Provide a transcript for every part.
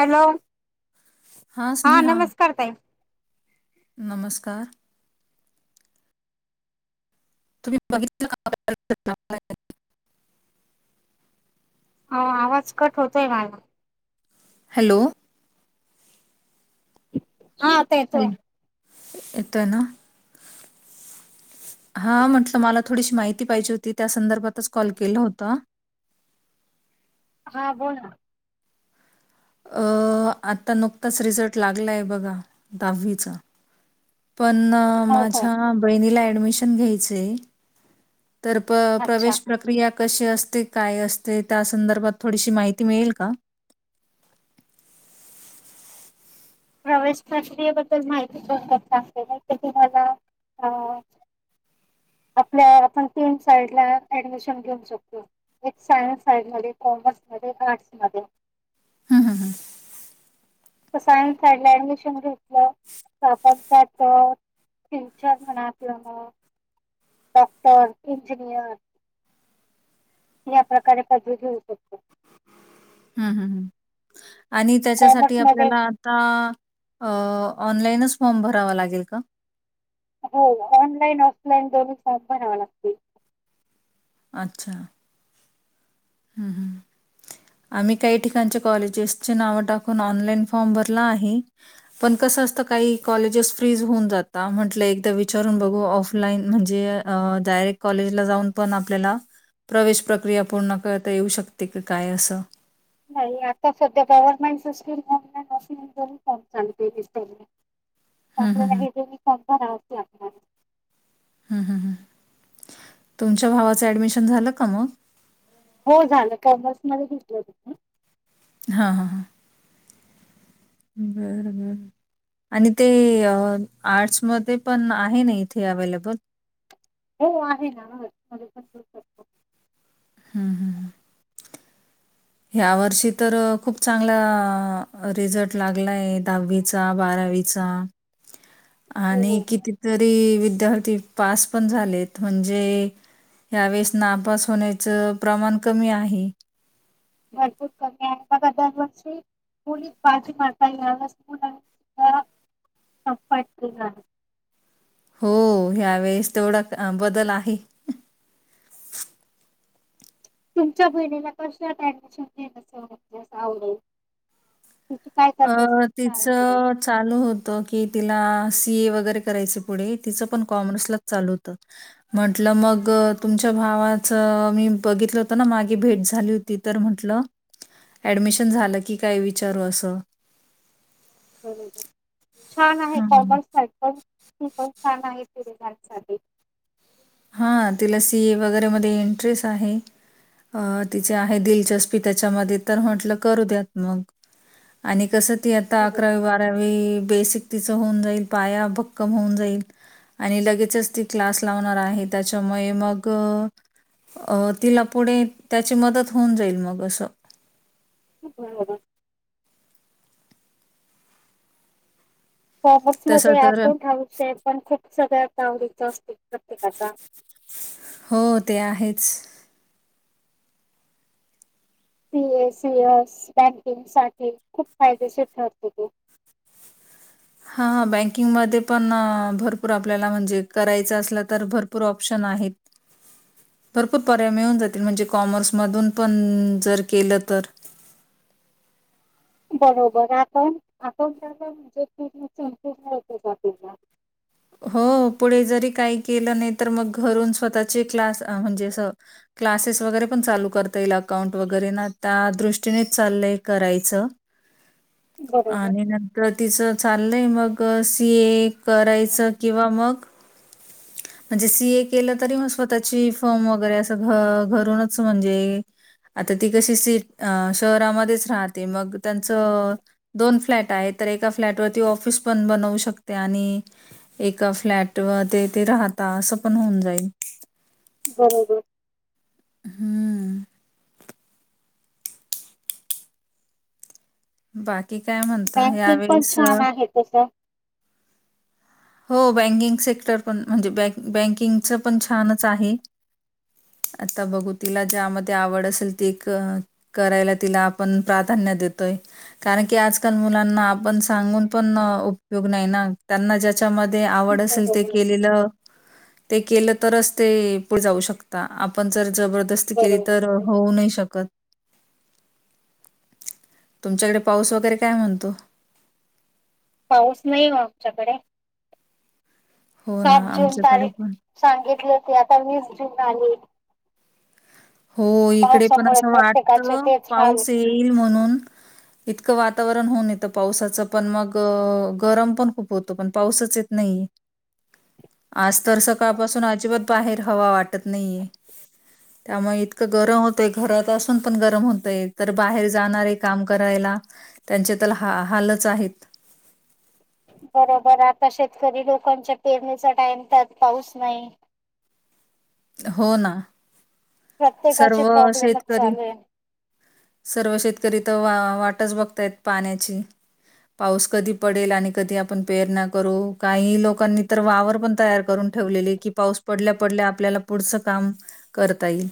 Hello हा नमस्कार ताई, नमस्कार तुम्ही बघित हो आवाज कट होतोय. माझा - हॅलो, हा ह येतोय येतय ना, हा म्हटलं मला थोडीशी माहिती पाहिजे होती त्या संदर्भातच कॉल केला होता. हा बोला, अ आता नुकताच रिझल्ट लागलाय बघा दहावीचा, पन् हो हो माझं बहिणीला ऍडमिशन घायच आहे. तर अच्छा प्रवेश प्रकिया प्रकिया कशी असते? काय असते? त्या संदर्भात थोडीशी माहिती मिळेल का? प्रवेशशास््रीयेबद्दल माहिती सतगते तर तुम्हाला अ आपल्या आपण तीन साईड ला ऍडमिशन घेऊन शकतो. एक सायन्स साईडमध्ये, कॉमर्स मध्ये, आर्टस मध्ये, हं हं ह सायन्सड ऍडमिशन घेतलं तर आपण त्या फ्युचर म्हना आपलं ना, डॉक्टर, इंजिनियर या प्रकारे पदवी घेऊ शकतो. हम् हम् हम आणि कॉमर्स त्याच्यासाठी मध्ये आपल्याला आता ऑनलाईनच फॉर्म भरावा लागेल का हो ऑनलाईन, ऑफलाईन दोन्ही फॉर्म भरावे लागती. अच्छा हम् हम आम्ही काही ठिकाणच्या कॉलेजेसचे नाव टाकून ऑनलाईन फॉर्म भरला आहे. पण कसं असतं काही कॉलेजेस फ्रीज होऊन जातात म्हंटलं एकदा विचारून बघू ऑफलाईन म्हणजे अ डायरेक्ट कॉलेज ला जाऊन पण आपल्याला प्रवेश प्रक्रिया पूर्ण करत. आता येऊ शकते की काय असं नाही आता सध्या पव्हमेंट सिस्टीम ऑनलाईन मशीन फम चालते दिस हं, हं, आपल्याला हं. हे ज मी कमपण आवते आपल्याला [inaudible] हम् ह ह तुमच्या भावाचं ऍडमिशन झालं का मग? हो झालं कॉमर्स मध्ये घेतलं त्यान हां हां हां बरं बर. आणि ते आर्ट्समध्ये पण आहे ना इथे अवे्लेबल, हो आहे ना, शकतो. हम् हम. ह्या वर्षी तर खूप चांगला रिझल्ट लागलाय दहावी. बारावीचा आणि हो किती जरी विद्यार्थी पास पण झालेत म्हणजे, या्यावेेळेस नापास होण्याचं प्रमाण कमी आहे. भरपूर कमी आहे. दरवर्षी मुली पाठी मारता ये या मुलाद् [inaudible] [inaudible] हो ह्यावेेळेस तेवढा बदल आहे तुमच्या बहिणीला कशात ऍडमिशन घ असे म्हज अस आवड तिची काय अ, करचाण्याची इच्छा आहे तिला तिचं चालू होत की तिला सी ए वगैरे करायच पुढे तिचं पण कॉमर्सलाच चालू होत म्हंटलं मग तुमच्या भावाचं मी बघितलं होतं ना मागे भेट झाली होती ति तर म्हटलं ऍडमिशन झालं की काय विचारू असं बरोर छान आहे हं. कॉमर्स सा पण ती पण छान आहे परेझ साठी हा तिला सी ए वगैरे मध्ये एंटरेस्ट आहे अ तिचे आहे दिलचस्पी त्याच्यामध्ये तर म्हंटलं करू द्यात मग आणि कसं ती आता अकरावी बारावी बेसिक तिच होऊन जाईल पाया भक्कम होऊन जाईल आणि लगेचच ती क्लास लावणार आहे त्याच्यामुळे मग अ तिला पुढे त्याची मदत होऊन जाईल मग असं हो तसं कॉमर्समध्येध्ये तर अकाउंट हाषय पण खूप सगळ्या आवडीच असत प्रत्येकाचा हो ते आहेच C A C S banking साठी खूप फायदेशीर ठरतो तो हां हां बँकिंगमध्ये पण भरपूर आपल्याला म्हणजे करायचं असलं तर भरपूर ऑप्शन आहेत [unintelligible] भरपूर पर्याय मिळून जातील म्हणजे कॉमर्समधून पण जर केलं तर बरोबर अका अकाट म्हणजेंात हो पुढे जरी काही केलं नाही तर मग घरून स्वतःचे क्लास म्हणजे अस क्लासेस वगैरे पण चालू करता येईल अकाउंट वगैरे ना त्या दृष्टीनेच चाललंय करायचं बरोबर आणि नंतर तिचं चाललय मग सी ए करायच किंवा म म्हणजे सी ए केलं तरी मग स्वतःची फॉर्म वगैरे असं घ घरूनच म्हणजे आता ती कशी सि अ शहरामध्येच राहते मग त्यांचं दोन फ्लॅट आहे तर एका फ्लॅटवरती ऑफिस पण बनवू शकते आणि एका फ्लॅट व ते ते राहता असं पण होऊन जाईल बरोबर हम्म बाकी काय म्हणता बँकिंग पण यावेेळेस छान आहे तसं हो बँकिंग सेक्टर पण म्हणजे बँ बँकिंगचं पण छानच आहे आता बघू तिला ज्यामध्ये आवड असेल ती एक करायला तिला आपण प्राधान्य देतोय कारण की आजकाल मुलांना आपण सांगून पण उपयोग नाही ना त्यांना त्याच्यामध्ये आवड असेल ते बरोबर केलेलं ते केलं तरच ते पुढे जाऊ शकता आपण जर जबरदस्ती केली तर बरोबर होऊ नाही शकत तुमच्याकडे पाऊस वगैरे काय म्हणतो पाऊस नाही आमच्याकडे हो ना सात जून आमच्याकडे तारीख पण सांगितली होती आता वीस जून आली हो इकडे पण पावसामुळे असं वाटत प्रत्येकाचे तेच हाल पाऊस येईल म्हणून इतकं वातावरण होऊन येतं पावसाचं पण मग गरम पण खूप होतं पण पावसाच नाही आज तर सकाळपासून अजिबात बाहेर हवा वाटत नाहीे त्यामुळे इतकं गरम होतंय घरात असून पण गरम होतय तर बाहेर जाणार आहे काम करायला त्यांचे तर हा हालच आहेत बरोबर आता शेतकरी लोकांच्या पेरणीचा टाइम त्यात पाऊस नाही हो ना सर्व प्रत्येकाचे प्रॉब्लेमच शेतकरी चालू आहे सर्व शेतकरी तर वा वाटच बघतायत पाण्याची पाऊस कधी पडेल आणि कधी आपण पेरणा करू काही लोकांनी तर वावर पण तैयार करून ठेवले की पाऊस पडल्या पडल्या आपल्याला पुढच काम करता येईल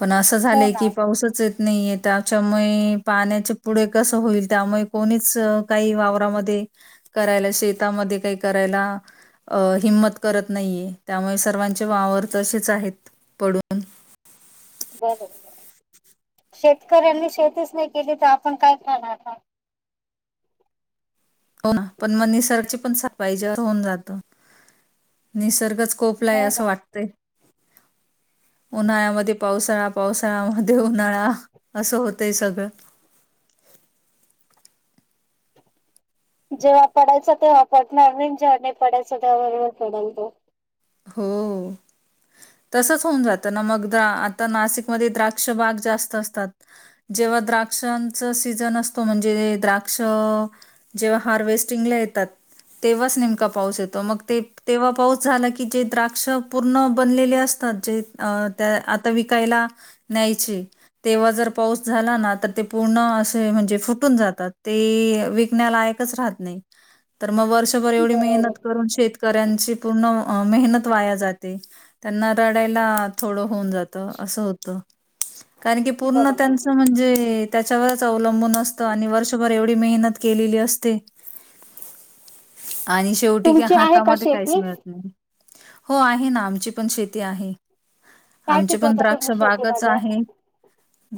पण असं हो झालंय की ना पाऊसच नाहीय त्याच्यामुळे पाण्याचे पुढे कसं होईल त्यामुळे कोणीच काही वावरामध्ये करायला शेतामध्ये काही करायला अ हिंमत करत नाहीये त्यामुळे सर्वांचे वावर तर असेच आहेत पडून ब शेतकऱ्यांनी शेतीच नाही केली तर आपण काय खाणार आ हो ना पण मग निसर्गाची पण साथ पाहिजे असं होऊन जात निसर्गच स्कोपलाय हो असं ना वाटतय उन्हाळ्यामध्ये पावसाळा पावसाळ्यामध्ये उन्हाळा असं होतंय सगळं जेव्हा पडायचं तेव्हा पडणारन जेव्हा नाही पडायच त्या बरोबर पडल तो हो तसंच होऊन जातं ना मग द आता नाशिकमध्ये द्राक्ष बाग जास्त असतात जेव्हा द्राक्षांच सीझन असतो म्हणजे द्राक्ष जेव्हा हार्वेस्टिंग येतात तेव्हाच नेम पाऊस येतो मग तेव्हा पाऊस झाला कि जे द्राक्ष पूर्ण बनलेले असतात जे त्या आता विकायला न्यायचे तेव्हा जर पाऊस झाला ना तर ते पूर्ण असे म्हणजे फुटून जातात ते विकण्याला नाही मग वर्षभर एवढी मेहनत बरोबर करून शेतकऱ्यांची पूर्ण मेहनत वाया जाते त्यांना रडायला थोडं होऊन जात असं हो कारण की पूर्ण बरोबर त्यांचं म्हणजे त्याच्यावरच अवलंबून असत आणि वर्षभर एवढी मेहनत केलेली असते आणि शेवटी की तुमची आहे का हातामध्ये काहीच शेती मिळत नाही हो आहे ना आमची पण शेती आहे काय आमचे पण पिकवता द्राक्ष तुम्ही बागच शेतीमध्ये आहे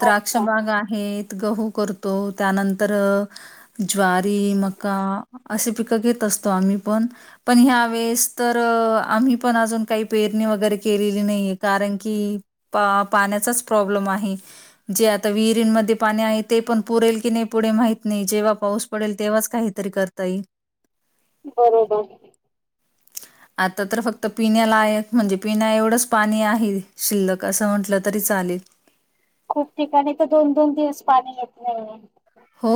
द्राक्ष अच्छा बाग हे गहू करतो त्यानंतर ज्वारी मका असे पिकं घेत असतो आम्ही पण पण ह्या वेळेस तर आम्ही पण अजून काही पेरणी वगैरे केलेली नाहीये कारण की पा पाण्याचाच प्रॉब्लेम आहे जे आता विहिरींमध्ये पाणी आहे ते पण पुरेल कि नाही पुढे माहित नाही जेव्हा पाऊस पडेल तेव्हाच काहीतरी करता येईल बरोबर तर तर फक्त पिण्यालायक म्हणजे पिण्या एवढंच पाणी आहे शिल्लक असं म्हटलं तरी चालेल खूप ठिकाणी तर दोन दोन दिवस पाणी येत नाही हो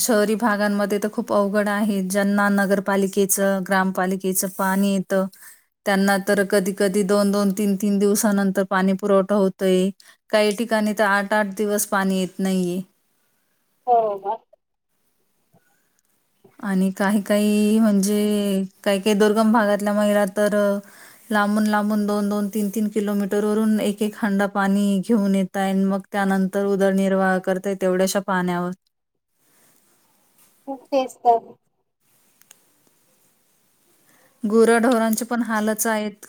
शहरी भागांमध्ये तर खूप अवघड आहे ज्यांना नगरपालिकेचं ग्रामपालिके च पाणी येतं त्यांना तर कधी कधी दोन दोन तीन तीन दिवसानंतर पाणी पुरवठा होतय काही ठिकाणी तर आठ आठ दिवस पाणी येत नाही आहे हो का आणि काही काही म्हणजे काही काही दुर्गम भागातल्या महिला तर लांबून लांबून दोन दोन तीन तीन किलोमीटर वरून एक एक खंडा पाणी घेऊन येतय मग त्यानंतर उदरनिर्वाह करताय तेवढ्याशा पाण्यावर खूप टेस्ट आहे. गोऱ्याढोरांचे पण हालच आहेत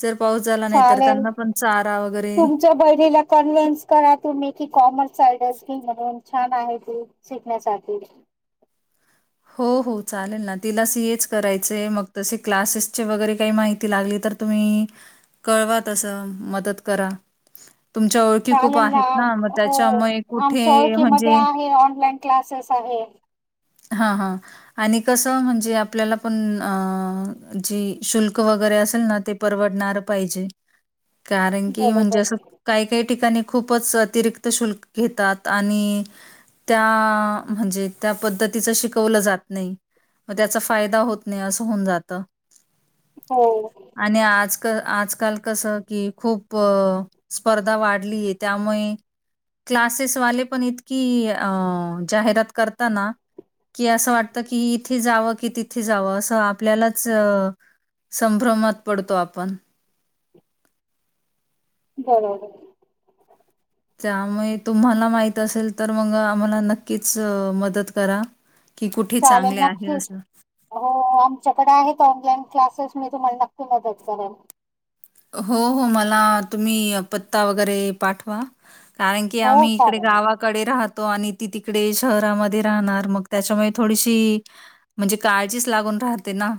जर पाऊस झाला नाही तर चालेल त्यांना पण चारा वगैरे तुमच्या बहिणीला कन्वेन्स करा तुम्ही की कॉमर्स सायडसच घे म्हणून छान आहे खूप शिकण्यासाठी हो हो चालेल ना तिला सियेच करायचे मग तसे क्लासेसचे वगैरे काही माहिती लागली तर तुम्ही कळवा तस मदत करा तुमच्या ओळखी खूप चालेल ना आहेत मग हो त्याच्यामुळे आमच्या कुठे म्हणजे ओळखीमध्ये आहे ऑनलाईन क्लासेस आहे हा हा आणि कस म्हणजे आपल्याला पण जे शुल्क वगैरे असेल ना ते परवडणार पाहिजे कारण की म्हणजे बरोबर असं काही काही ठिकाणी खूपच अतिरिक्त शुल्क घेतात आणि त्या म्हणजे त्या पद्धती तिचं शिकवलं जात नाही मग त्याचा फायदा होत नाही असं होऊन जात हो आणि आजक आजकाल कसं की खूप स्पर्धा वाढलीये त्यामुळे क्लासेसवाले पण इतकी जाहिरात करताना- कि असं वाटतं की इथे जावं की तिथे जावं असं आपल्यालाच संभ्रमात पडतो आपण बरोबर त्यामुळे तुम्हाला माहित असेल तर मग आम्हाला नक्कीच मदत करा की कुठे चालेल चांगले आहे नक्की असं. हो आमच्याकडे आहेत ऑनलाईन क्लासेस मी तुम्हाला नक्की मदत करेन हो हो मला तुम्ही पत्ता वगैरे पाठवा कारण की हो आम्ही इकडे चालेल गावा कडे राहतो आणि ती तिकडे शहरामध्ये राहणार मग त्याच्यामुळे थोडीशी म्हणजे काळजीच लागून राहते ना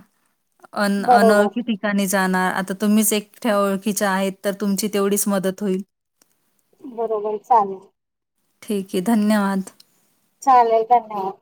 अ बरोबर अनोळखी ठिकाणी जाणार आता तुम्हीच एक त्या ओळखीच्या आहेत तर तुमची तेवढीच मदत होईल. बरोबर चालेल ठीक हे धन्यवाद चालेल का नाही